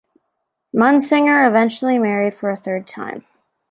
Munsinger eventually married for a third time.